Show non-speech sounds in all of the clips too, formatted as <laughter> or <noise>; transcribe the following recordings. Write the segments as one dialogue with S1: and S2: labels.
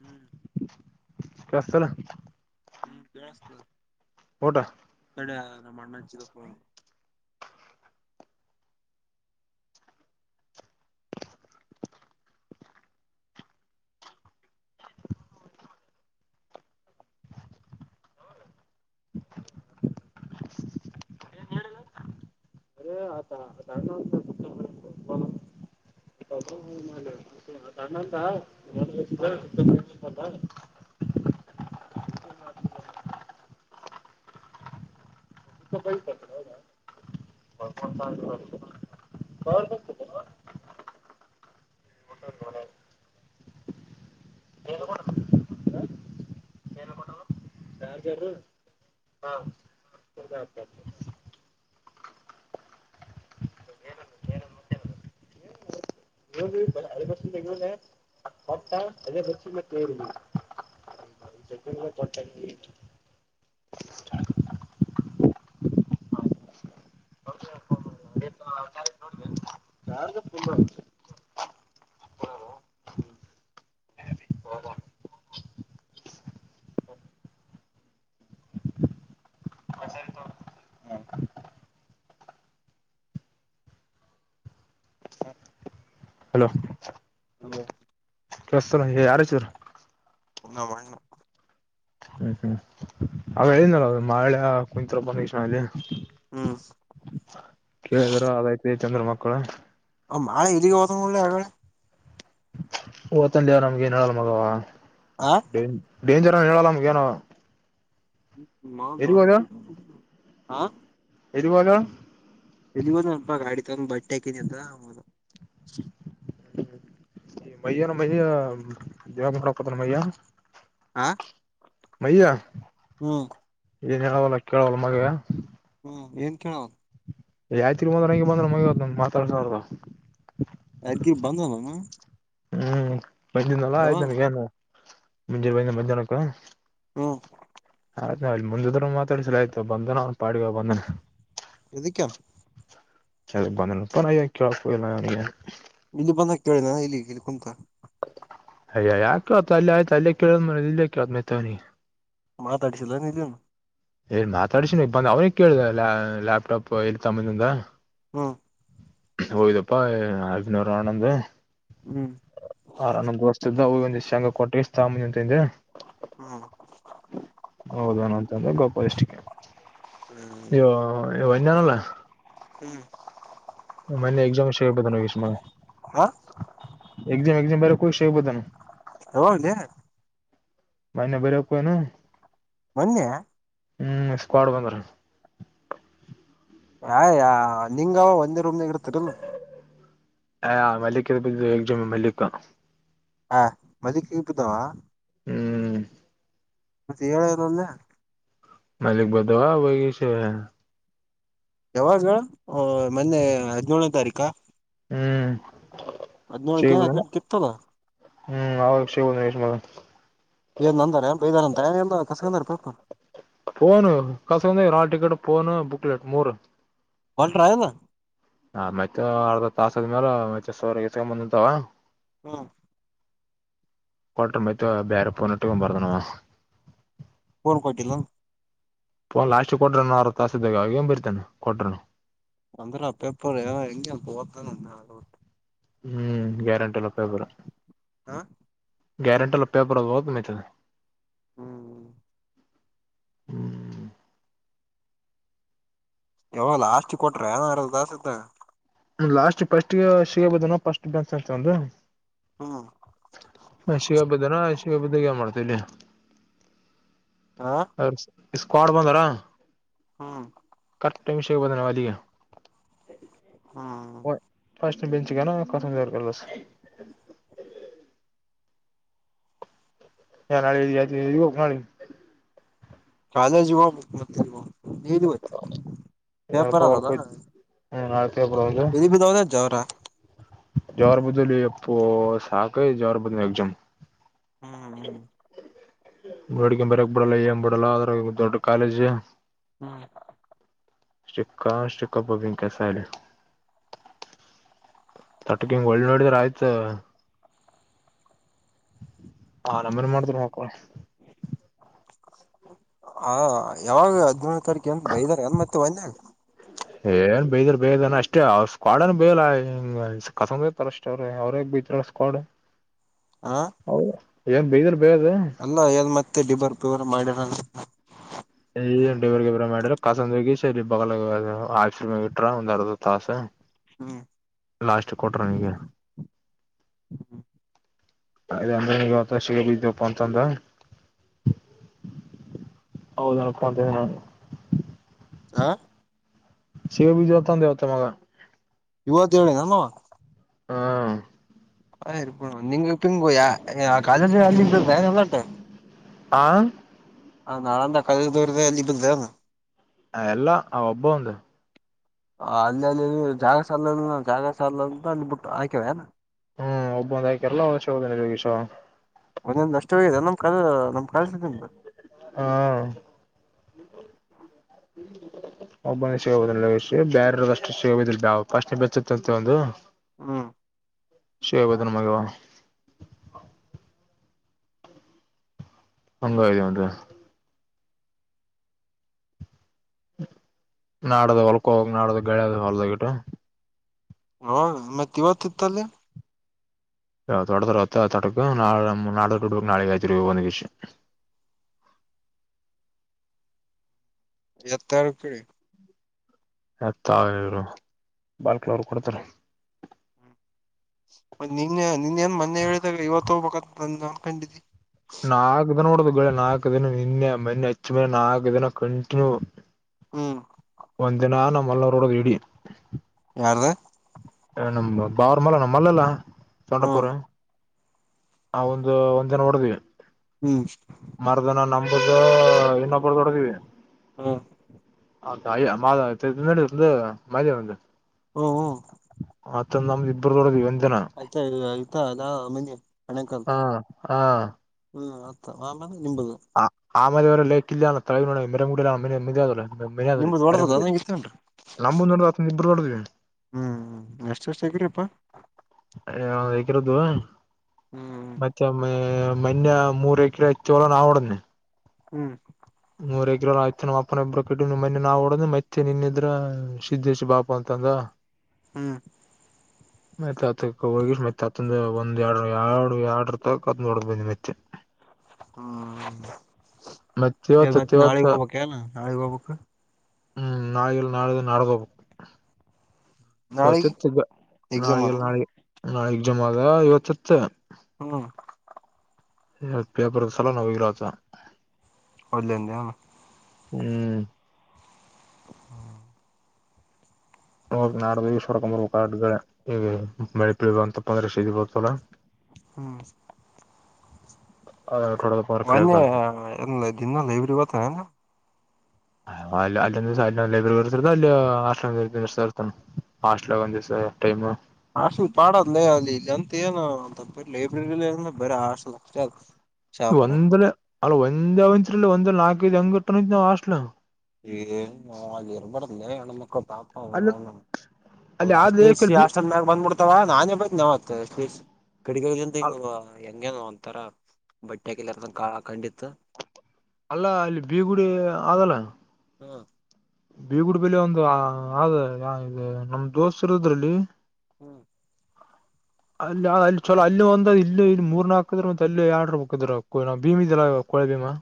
S1: ಹ್ಮ್
S2: ಸ್ತಲ್ಲ
S1: ಹ್ಮ್ಸ್ತ
S2: ಊಟಾ
S1: ಎಡ ನಮ್ಮ ಅ್ಣಚಿಕ
S2: ಅ ಆ ಅ ತಣ್ಣಂತ ಕೈ ಕ ಪ ತ ಒಟಡ ಯಾರ್ಾರ ಹಾ ಅದಪಕ್ಷಗಲ ಹಾ ಅೇ ಪಕ್ಷ ತರಿ ಹ ಕೊಟ್ಟ ಹಲೋ
S1: ಅಬೋ
S2: ಬತ ಯಾರ ಚೂರ್
S1: ನ ಬ
S2: ಹ್ಮ್ ಹ್ಮ್ ಅವ ಹೇಳನಲ್ಲ ಮಳೆ ಕುತ್ ಬಕ್ಷಣಲ್ಲಿ <unintelligible>
S1: ಹ್ಮ್
S2: ಕೇಳಿದರು ಅದೈತಿ ಚಂದ್ರ ಮಕ್ಕಳು <unintelligible>
S1: ಮಳೆ ಇ ಗೋಸಲ್ಲ ಯಳ <unintelligible>
S2: ಓತಂದವ ನಮ್ಗೆ ಏನ್ ಹೇಳಲ್ಲ ಮಗವ
S1: ಆ
S2: ಡೇಂಜರ್ ಹೇಳಲ್ಲ ನಮಗ ಏನ <unintelligible>
S1: <unintelligible> ಬ ಆ
S2: ಇದುಬೋಲ <unintelligible>
S1: ಇಲ್ಲಿ ಒ ಅಲ್ಪ ಗಾಡಿ ತಂದ ಬಟ್ಟೆ ಹಾಕನಿ ಅಂತ ಆದು
S2: ಈ ಮಯ್ಯ ನಮ್ಮ ಮಯ್ಯ ದೇವ ಹಕತ್ ನ ಮಯ್ಯ
S1: ಆ
S2: ಮಯಯ
S1: ಹ್ಮ್
S2: ಏನ್ ಹೇಳವಲ್ಲ ಕೇಳವಲ್ಲ ಮಗುವ
S1: ಹಾ ಏನ್ ಕೇಳವ
S2: ಯಾವ್ತಿರಿ ಬಂದ್ರ ಹಂಗೆ ಬಂದ್ರೆ ಮಗ ಮಾತಾಡ್ತಾರ್ದ
S1: ಅಗ್ಗಿ ಬಂದನಾನ
S2: ಹ್ಮ್ ಮೈ್ಯಿಂದಲ್ಲ ಆಯ್ತನಗ ನ್ ಮುಂಜಿರ ಮೈಿಂದ ಮಧ್ಯಾಹ್ನಕ್ಕ
S1: ಹ್ಮ್
S2: ಆಯ್ತ ನಾ್ ಇಲ್ಲಿ ಮುಂದಿದ್ರು ಮಾತಾಡಿಸಲ ಆಯತ ಬಂದನ ಅವ್ನ್ ಪಾಡವ ಬಂದನ
S1: ಎದಕ್ಕ
S2: ಅದು ಬಂದಪ ನ ಕೆಳಪ ಇಲ್ಲ
S1: ಇಲ್ಲಿ ಬಂದ ಕೇಳಿನ ಇಲ್ಲಿ ಇಲ್ಲಿ ಕುಂತ
S2: ಅಯ್ಯ ಯಾಕೆ ಆತು ಅಲ್ಲಿ ಆಯ್ತು ಅಲ್ಲೇ ಕೇಳ್ ಮ ಇಲ್ಲೇ ಕೇಳತ ಮತವನಿ
S1: ಮಾತಾಡಿಸಿಲ್ಲ ನಿಧನು
S2: ನ್ ಮಾತಾಡ್ಸಿನಿ ಬಂದ ಅವ್ನಿಗೆಗ್ ಕೇಳ್ದ ಲ್ಯಾಪ್ಟಾಪ್ ಇಲ್ ತಮ್ಮನಿಂದ
S1: ಹ್ಮ್
S2: ಹೋಯದಪ್ಪಾ ಐದನೂರ ಅವನಂದ
S1: ಹ್ಮ್
S2: ಆರ ನಸ್ತ್ದ ಒ ಶಂಗ ಕೊಟ್ಟಾಮಿ ಅಂತಂದ್ರೆ
S1: ಹ್ಮ್
S2: ಹೌದೇನ ಅಂತಂದ್ರೆ ಗೊಪ ಎಷ್ಟಿಕ
S1: ಹ್ಮ್
S2: ಅಯ್ಯೋ ಅೋ ಇಜಾನಲ್ಲ
S1: ಹ್ಮ್
S2: ಮ ಎಾಮ ಸ ಬ ನ ವಿಷ
S1: ಹ
S2: ಎ ಎಾಮ ಬ <unintelligible> ಕಷಯ ಬುದ ನ
S1: ಹ
S2: ಮನ ಬರವ ಕನ
S1: ಮೊನ್ನೆ
S2: ಹ್ಮ್ ಸ್ಕ್ವಾಡ್ ಬಂದ್ರ
S1: ಯ ಯ ನಿಂಗವ ಒಂದೇ ರೂಮ್ನಾಗ ಇರ್ತರಿಲ್ <unintelligible>
S2: ಹಾ ಮಲ್ಲಿಿಕ ಬ ಮಲ್ಲಿಿಕ
S1: ಹ ಮದಕ್ಕೆ ಇಪುದಾವ
S2: ಹ್ಮ್
S1: ಮತ್ತ ಏಳರಲ್ಲ
S2: ಮಲ್ಲಿಕ್ ಬದುು ಆವಾಗಿಗ ಸ
S1: ಯಾವಾಗ ಮೊನ್ನೆ ಹದ್ಿನೇಳನೇ ತಾರೀಕ <unintelligible>
S2: ಹ್ಮ್
S1: ಹದ್ನೇಳಕ ಏನ್
S2: ಸಿಬುದ
S1: ಹದ್ನೆಂಟಕ ಇತ್ತಲ್ಲ
S2: ಹ್ಮ್ ಅವ ಸಿಬೋುದ
S1: ಅಂತ ಕಸಪ
S2: ಫೋನು ಕಸಂದಗ್ಯಾರ್ ಹಾಲ್ ಟಿಕೆಟ್ ಫೋನ್ ಬುಕ್ ಲಟ್ ಮೂರು
S1: ಒಲ್ಟ್ರಾಏನು
S2: ಆ ಮತ್ತೆ ಅರ್ಧ ತಾಸ ಆದ್ಮೇಲೆ ಮತ್ತೆ ಸರ್ ಎಸ್ಕೊಂಡ್ ಬಂದಂತಾವ
S1: ಹ್ಮ
S2: ಕೊಟ್ರ ಮತ್ತ್ ಬೇರೆ ಫೋನ್ ಇಟಕೊಂಡು ಬರ್ದನ ಅವ
S1: ಪೋನ್ ಕೊಟ್ಟಿಲ್ಲ
S2: ಫೋನ್ ಲಾಸ್ಟ್ ಕೊಟ್ರ ಅರ್ಧ ತಾಸ್ದಾಗ ಅವಗ ಏನ್ ಬರಿತನ್ ಕೊಟ್ರನು
S1: ಅಂದರ ಪೇಪರ್ ಎಂಗತಾನ ಓದತಾನ್
S2: ಹ್ಮ್ ಗ್ಯಾರಂಟಿಲ್ಲ ಪಬರ
S1: ಹ
S2: ಗಾರಂಟ ಇಲ್ಲ ಪೇಪರ್ ಇದು
S1: ಹ್ಮ್ ಹ್ಮ್
S2: ಹ್ಮ್
S1: ಯಾವ ಲಾಸ್ಟ್ ಕೊಟ್ರ ಇನ್ ಅರ್ಧ ತಾಸ್ ಇದ್ದ
S2: ಲಾಸ್ಟ್ ಫಸ್ಟ್ ಸಿಗಬಹದನ ಫಸ್ಟ್ ಬ್ಯಾಚ್ ಅಂತ ಒಂದು
S1: ಹ್ಮ್
S2: ಅ ಶಗ ಹಬ್ಬದನಾ ಅಶಿಗ ಹಬ್ಬದ ಯ ಮಾಡ್ತಾರೆ ಕಡ
S1: ಹಾ
S2: ಸ್ಕ್ವೇಡ್ ಬಂದಾರಾ
S1: ಹ್ಮ್
S2: <unintelligible> ವಿಷಯ ಬಾನವಾದಗ
S1: ಹ್ಮ್
S2: ಫಸ್ಟ್ ಬೆಂಚ್ ಗೇನ್ ಕಸದೇವರ ಕಳ್ಸ್ ನಾ ನಾಳೆ ಎಲ್ಲಿಗೆ ಹೋಗಬೇಕ್ ನಾಳೆ
S1: ಕಾಲೇಜಗ ಮುಕ್ಮತ್ಲ್ವ ನೀವತು
S2: ಏನಪ್ಪ
S1: ಪೇಪರ್ ಅದ
S2: ಹೊಲ್ಕೋಯ್ತು ಹ್ಮ್ ನಾಳೆ
S1: ಇದ ಬಿದ ಅವರ ಜ್ವರ
S2: ಜಾರಿ ಬಿದ್ದೇಲಿ ಯಪ್ಪಾ ಸಾಕಗಿ ಜಾರ ಬಿದ್ನಿ ಎಜಾಮ
S1: ಹ್ಮ್ ಹ್ಮ್
S2: ನೋಡಕೆಂಬ ಬರಕ್ ಬರಲ್ಲ ಏನ್ ಬಿಡಲ್ಲ ಅದ್ರಾಗ ದೊಡ್ಡ ಕಾಲೇಜ್
S1: ಹ್ಮ್
S2: ಶಕ್ಕಾ ಶಕ್ಕಾಬಬಂಕ ಸಳ ತಟಕಿಂಗ ಗೋಳ್ಳ ನೋಡಿದರ್ ಆಯ್ತ ಹ ನಮ್ಮನ್ ಮಾಡಿದ್ರ ಹಾಕಳ
S1: ಹಾ ಯಾವಾಗ ಹದಿನೆಳನೆ ತಾರೀಕು ಅಂತ ಬೈದಾರ ಅ ಮತ್ತೆ ಮನ್ಯಾಗ
S2: ಏನ್ ಬೈದಾರ ಬೇದನ ಅಷ್ಟೇ ಅವ ಕವಾಡನು ಬೇಯಲ್ಲ ಕಸಮ ಬತಾರ ಅಷ್ಟ ಅವ್ರ ಅವ್ರೇ ಬೈತಾ ರ್ ಸ್ಕ್ವೇಡ್
S1: ಹ
S2: ಹೌದ ಏನ್ ಬಿದರ್
S1: ಅಲ್ಲ ಎನ್ ಮತ್ತೆ ದೀಬಾರ್ ಪಬರ್ ಮಾಡಿರ
S2: ಇಬ್ರಗ ಇಬ್ಬ್ರ ಮಾಡಿರ ಕಸಂದ ಹೋಗಿ ಸ ಬಲ ಆಫಸ ಮ ಇಟ್ರ ಒಂದ್ ಅರ್ಧ ತಾಸ
S1: ಹ್ಮ್
S2: ಲಾಸ್ಟ್ಗೆ ಕೊಟ್ಟಾರ ಹಿಂಗೆ ಅ ಅಂದ್ರೆಗ ಅವ ಸಿಗ ಬಿದ್ದಪ್ಪ ಅಂತಂದ ಹೌದ ಹ
S1: ಆ
S2: ಶಿವ ಬಿಜತಂದವತ ಮಾಗ
S1: ಇವತ್ ಹೇಳೇ ನಮ್ಮ
S2: ಹಾ
S1: ಹ ನೀ ಇ ಯ ಕಾಲೇಜ ಎಲ್ಲಟ
S2: ಆ
S1: ಹ ನಾಳಂದ ಕಾಲ ದೋರದ ಅಲ್ಲಿ ಬಂದೆ
S2: ಎಲ್ಲಾ ಅವ ಒಬ್ಬ ಒಂದು
S1: ಆ ಅಲ್ಲಿ ಅಲ್ಲಿ ಜಾಗ ಸಲ್ಲ ಜಾಗ ಸಲ್ಲದ ಅಲ್ಲಿ ಬಿಟ್ಟು ಹಾಕ್ಯವ
S2: ಹ್ಮ್ ಒಬ್ಬೊಂದ ಆ್ಕ ಎಲ್ಲ ವರ್ಷ ಹೋದನೆಗೀಷ
S1: ಒಂದೊಂದು ನಷ್ಟವೇ ನಮ್ ಕ ನಮ ಕಸನ
S2: ಹ್ಮ್ ಹ್ಮ್ ಒಬ್ಬಂದ ಸಿಗಬುದಿಲ್ಲ ಬೇರೆ ಅಷ್ಟು ಸಿಗಬೋದಿಲ್ಲ ಬಾವು ಪಾಶ್ನೆ ಬೆಚ್ಚುತ್ತಂತೆ ಒಂದು
S1: ಹ್ಮ
S2: ಶ ಬದ ಮಗುವ ಹಂಗ ಉಟ ನಾಡದ ಹೊಲ್ಕೋಗ ನಾಡದ ಗಳೆದ ಹೊಲ್ದಟು
S1: ಹ ಮತ್ತ ಇವತ್ತ ಇತ್ತಲ್ಲಿ
S2: ಹೊಡತಾರವ ತಟಕ ನಾಳ ನಾಡಡ್ಬೇಕು ನಾಳೆ ಆಯ್ತ್ರಿ ಒಂದ್ ವಿಷಯ
S1: ಎತ್ತಾರಕ್ಕೆೇಳಿ
S2: ಮತ್ಾವರು ಬಾಲ್ಕಲ ಅವರು ಕೊಡ್ತಾರ
S1: ಮತ್ತ ನಿನ್ ನಿನ್ಏನ್ ಮೊನ್ನೆ ಹೇಳಿದಾಗ ಇವತ್ತು ಹೋಗ್ಬೇಕಂತ ನ ನನ್ ಕಂಡಿದ್ದಿ
S2: ನಾಕಕ್ ದಿನ ನೋಡದು ಗೆ ನಾಲ್ಕು ದಿನ ನಿನ್ನೆ ಮೊನ್ನೆ ಹಚ್ಚು ಮನೆ ನಾಲ್ಕು ದಿನ ಕಂಟಿನ್ಯೂ
S1: ಹ್ಮ್
S2: ಒಂದಿನ ನಮ್ಮ ಮಲ್ಲೂರಡ ವಡಿ
S1: ಯಾರ್ದು
S2: ಹ ನ ಬಾರಮಲ್ಲ ನ ಮಲ್ಲೆಲ್ಲ ತೊೊಂಡಪೂರ
S1: ಹ್ಮ್
S2: ಆ ಒಂದು ಒಂದ್ ಜನ ಹೊಓಡದ್ವಿ
S1: ಹ್ಮ್
S2: ಮರದನ ನಂಬ್ದ ಇನ್ನೊಬ್ಬರ ತೊಡದೀವಿ
S1: ಹ್ಮ್
S2: ಹೌದಯ ಮಾ ಮದ ಒಂದು
S1: ಹ್ಮ ಹ್ಮ
S2: ಮತ್ತ ನ್ದ ಇಬ್ಬರುೊಡ ಇ
S1: ಆಯ್ತಾ ಆಯ್ತಾ ಅದಾ ಮಂದೆ
S2: ಹಾ ಹಾ
S1: ಹ್ಮ್ ಮತ್ತ ಆಮೇಲೆ ನಿಂಬದು
S2: ಆಮೇಲೆ ಅವರ ಲೇಕ ಇಲೇ ಅವನ ತಲೇ ಮಡಿ ಮರೆ ಮುಡಿಲ್ಲ
S1: ನಿಮ್ದ ಹೊಡದದ ನಂಗ ಇತ್ತೇನ್ರಿ
S2: ನಮುನ ನೋಡ ಇಬ್ರು ನೋಡದಿ
S1: ಹ್ಮ್ ಎಷ್ಟ ವರ್ಷ್ಟ ಆಗಿರಿಪ್ಪಾ
S2: ಯ ಹೇಗಿರದು
S1: ಹ್ಮ್
S2: ಮತ್ತೆಮ್ಮೆ ಮನ್ಯಾ ಮೂರು ಏಕರ ಹೆಚ್ಚೋಳನ ಆ ಅವಡನ್ನನೆ
S1: ಹ್ಮ್
S2: ಮೂರಗ್ರ ಆಯ್ ನಮ್ಮ ಅಪ್ಪನ ಇಬ್ಬ್ರ ಕಟ್ಟ ನಿಮ್ಮ ಮನೆೆ ನಾವು ಹೊಡದ ಮೈತ್ತೆ ನಿನ್ನಿದ್ರ ಸಿದಿದ್ದೇಶ್ ಬಾಪ ಅಂತಂದ
S1: ಹ್ಮ್
S2: <inaudible> ಮತ್ತೆ ಹತಕ್ಕೆ ಹೋಗಿ ಮತ್ತೆ ಆತಂದ ಒಂದ್ ಎರಡು ಎರಡು ಎರಡರ್ತತ್ತ ಹೊಡ ಬಿ ಮೆತ್ತೆ
S1: ಹ್ಮ್
S2: ಮತ್
S1: ಎ
S2: ಇವತ್ತತ್
S1: ಮತ್ತೆ
S2: ಇವತ್ತ
S1: ನಾಳಿಗ್ ಹೋಗ್ಬಕ್ ನ ನಾಳಿಗ್ ಹೋಗ್ಬಕ್
S2: ಹ್ಮ್ ನಾಯಿಲ್ ನಾಳೆದ ನಡಗೋಬೇಕ
S1: ನಾಳಿಗೆ
S2: ಇವತ್ತಿತ್ತು
S1: ಎಕ್ಸಾಮ್
S2: ನಾಳಿಗೆ
S1: ಅದಲ್ಲ
S2: ನಾಳೆ ನಾಳೆಗ್ ಜಮಾ ಅದ ಇವತ್ತಿತ್ತು
S1: ಹ್ಮ್
S2: ಪೇಪರ್ ಸಲ ನ ಹೋಗಿಲ್ಲದ
S1: ಒಲ್ಲೇದಣ
S2: ಹ್ಮ್
S1: ಹ
S2: ನೋ ನಾಡ್ದ ಈಶ್ವರಕಂಬರ್ ಕಾರ್ಡ್ ಇವೆ. ಬೆಳೆ ಪಿಳುವ ಅಂತಪ್ಪ ಅಂದ್ರೆ ಸದಿ ಬರ್ತಲ್ಲ
S1: ಹ್ಮ್
S2: ಹೊಡದಪ್ಪ ಅಂದ್ರ ಕಡಿಯಕ್
S1: ಮನ್ನೆ
S2: ಆಗಲ್ಲ
S1: ಎ ದಿನಲ್ಲ ಇವ್ರ ಇವತ್ತಲ್ಲ
S2: ಅ ಅಲ್ಲಿಂದಸ ಅ ಲೈಬ್ರರಿ ಬರ್ತರದ ಅಲ್ಲಿ ಆರ್ತಾನ ಹಾಸ್ಟ್ಲ ಒಂದಿವಸ ಟೈಮ್
S1: ಹಾಸಲ್ ಪಾಡದ್ಲೇ ಅಲ್ಲಿ ಇಂತ ಏನು ಒ ಲೈಬ್ರರಿಲಿಏ ಬರ ಹಾಸಲ್ ಅ
S2: ಒಂದಲ ಅಲ್ಲ ಒಂದೇ ಅವತ್ಲ್ಒಂದ ನಾಕೈಐದು ಅಂಗಟ್ಟ ನಾವ್ ಅಸ್ಟ್
S1: ಈ ನ ಅಲಿಯರ ಪಡಂದನ್ನ ಪಾಪ
S2: ಅಲ್ಲಿ ಅಲ್ಲಿ
S1: ಅಷ್ಟ
S2: ಆದ
S1: ದ
S2: ಬಿ
S1: ಅಷ್ಟನ್ ಮ್ಯಾಗ ಬಂದ್ಬಿಡ್ತಾವ ನಾನೇ ಬೈತ್ನ ನವ <unintelligible> ಕಡಿಗಳಿಗ್ ಅಂತ ಹಿಂಗವ. ಹಿಂಗೇನೊ ಒಂತರ ಬಟ್ಟೆಕೆಲೆರ್ದಂಗ್ ಕಾಳ ಕಂಡಿತ್ತ.
S2: ಅಲ್ಲ ಇಲ್ ಬೀಗುಡಿ ಆಗಲ್ಲ.
S1: ಹಾ
S2: ಬೀಗುಡ್ ಬೆಲೆ ಒಂದು ಅ ಇ ನಮ್ ದೋಸ್ತ್ರು ಇದ್ರಲ್ಲಿ.
S1: ಹ್ಮ್
S2: <unintelligible> ಅಲ್ಲ ಅಲ್ ಚಲೋ ಅಲ್ಲಿ ಒಂದ್ ಇಲ್ಲಿ ಇಲ್ಲಿ ಮೂರ್ ನಕದ್ರ ಮತ್ ಅಲ್ಲಿ ಆಡ್ರ ಬಿದ್ರ ಭೀಮಿದಲ್ಲ. ಅದಿಮ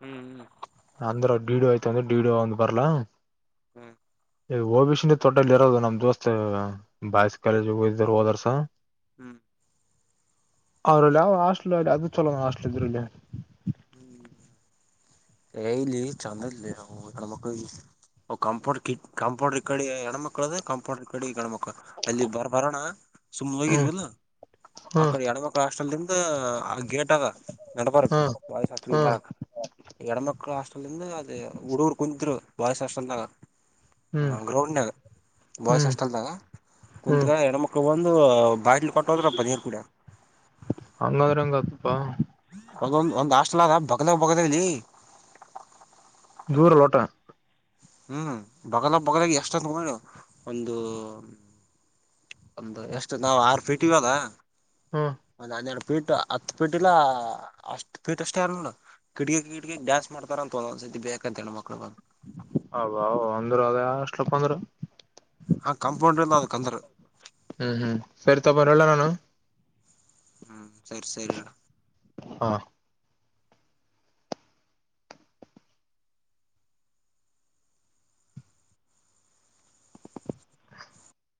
S1: ಹ್ಮ್ ಹ್ಮ್
S2: ಅಂದ್ರ ಡೀಡೋ ಆಯ್ತ ಅಂದ್ರೆ ಡೀಡೋ ಒಂದ್ ಬರ್ಲಾ.
S1: ಹ್ಮ್
S2: ಏ ಒ ಬಿ ಶಿ ನೆ ತೊಡಲ್ ಇರೋದು ನಮ್ ದೋಸ್ತ್ ಬಾಯ್ಸ್ ಕಾಲೇಜ್ ಹೋಗಿದ್ರು ಹೋದೊರ್ಷ.
S1: ಹ್ಮ್
S2: ಅವ್ರಲ್ ಯಾವ್ ಹಾಸ್ಟಲ್ ಅದು ಚಲೋಣ ಹಾಸ್ಟ್ಲ್ ಇದ್ರಲ್ಲಿ.
S1: ಹ್ಮ್ ಏ ಇಲ್ ಚಂದಿಲ್ಲ ನಮ್ ಹೆಣ್ಮಕ್ಳಿಗೆ. ಕಂಪೌಂಡರ್ ಕಿ ಕಂಪೌಂಡರ್ ಇಕಡಿ ಹೆಣ್ಮಕ್ಕಳ್ ಅದ ಕಂಪೌಂಡರ್ ಕಡಿ ಗಣ್ಮಕ್ ಕ ಅಲ್ಲಿ ಬರ್ ಬರೋಣ ಸುಮ್ಮ್
S2: ಹ್ಮ್
S1: ಹೋಗಿದ್ವಲೊ ಆ
S2: ಹ್ಮ್
S1: ಕಡೆ ಹೆಣ್ಮಕ್ಳ ಹಾಷ್ಟೆಲಿಂ ತ್ತ ಆ ಗೇಟ್ ಆಗ ನಡ್ಬಾರಕ್
S2: ಹ್ಮ್
S1: ಬಾಯ್ಸ್ ಹಾಸ್ಟೆಲ್ಗ್
S2: ಹ್ಮ್
S1: ಬರಕ್ ಎಡ ಮಕ್ಳ ಹಾಸ್ಟಲ್ ಅಲ್ಲಿಂದ ಅದೇ ಹುಡುಗ್ರು ಕುಂತ್ರು ಬಾಯ್ಸ್ ಹಾಸ್ಟೆಲ್ದಾಗ.
S2: ಹ್ಮ್
S1: ಹ ಗ್ರೌಂಡ್ನಾಗ ಬಾಯ್ಸ್
S2: ಹ್ಮ್
S1: ಅಷ್ಟಲ್ದಾಗ
S2: ಹ್ಮ್
S1: ಕುಂತ್ಗ ಹೆಣ್ಮಕ್ಳು ಬಂದ್ ದು ಬಾಟ್ಲಿ ಕೊಟ್ಟ ಹೋದ್ರ ಅಪ್ಪ ನೀರ್ ಕುಡ್ಯ.
S2: ಹಂಗಂದ್ರ ಹಂಗ ಆತಪಾ
S1: ಅದೊಂದ್ ಒಂದ್ ಹಾಸ್ಟೆಲ್ಯಾಗ ಬಗದಾ ಬಗದ್ವಲ್ಲಿ.
S2: ದೂರ್ ಲೋಟ.
S1: ಹ್ಮ್ ಬಗಲ ಬಗಲಗೆ ಎಷ್ಟಂತು ಒಂದು. ಒಂದು ಎಷ್ಟು ನಾವ್ ಆರ್ ಫೀಟ್ ಇವಾಗ
S2: ಹ್ಮ್
S1: ಒಂದ್ ಹನ್ನೆರ್ಡ್ ಫೀಟ ಹತ್ ಪಿಟೀಲ್ಲ ಅಷ್ಟ್ ಪೀಠ ಅಷ್ಟ ಹರನ್. ಕಿಡಿಕಿ ಕಿಡಿಕ್ ಡ್ಯಾನ್ಸ್ ಮಾಡ್ತಾರ್ ಅಂತ ಒಂದ್ಸತಿ ಬೇಕಂತ ಮಕ್ಳ ಬಂದ್
S2: ಅವ್ ಅವ್ ಅಂದ್ರೆ ಅದೆ ಹಾಸ್ಟೆಲಪ್ಪ ಅಂದ್ರ.
S1: ಹಾ ಕಾಂಪೌಂಡ್ ಇಲ್ಲ ಅದಕಂದ್ರ
S2: ಹ್ಮ್ ಹ್ಮ್ ಸರಿ ತಪ ಬರೋಲ್ಲ ನಾನು.
S1: ಹ್ಮ್ ಸರ್ ಸರಿ ಇಡು.
S2: ಹಾ